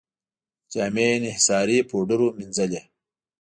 جامې یې انحصاري پوډرو مینځلې.